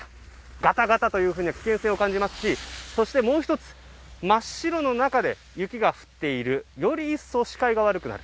ガタガタというような危険性も感じますしそして、もう１つ真っ白の中で雪が降っているより一層、視界が悪くなる。